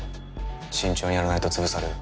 慎重にやらないと潰される。